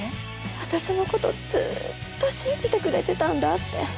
私のことずっと信じてくれてたんだって。